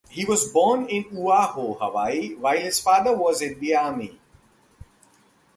He was born in Oahu, Hawaii while his father was in the Army.